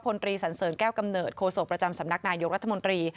ตรีสันเสริญแก้วกำเนิดโคศกประจำสำนักนายกรัฐมนตรี